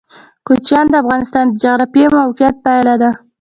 کوچیان د افغانستان د جغرافیایي موقیعت پایله ده.